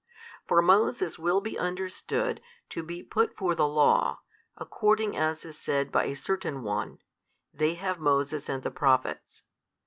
For Moses will be understood to be put for the Law, according as is said by a certain one, They have Moses and the Prophets.